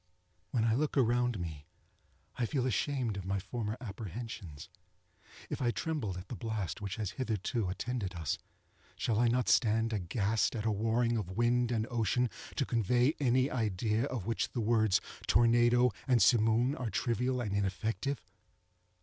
When I look around me I feel ashamed of my former apprehensions. If I trembled at the blast which has hitherto attended us, shall I not stand aghast at a warring of wind and ocean, to convey any idea of which the words tornado and simoom are trivial and ineffective?